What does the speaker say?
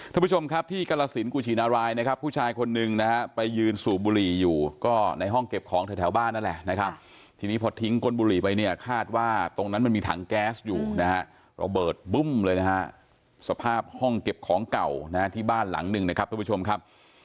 ท่านผู้ชมครับที่กรสินกุชินารายนะครับผู้ชายคนหนึ่งนะฮะไปยืนสูบบุหรี่อยู่ก็ในห้องเก็บของแถวบ้านนั่นแหละนะครับทีนี้พอทิ้งก้นบุหรี่ไปเนี่ยคาดว่าตรงนั้นมันมีถังแก๊สอยู่นะฮะระเบิดบึ้มเลยนะฮะสภาพห้องเก็บของเก่านะฮะที่บ้านหลังหนึ่งนะครับทุกผู้ชมครับ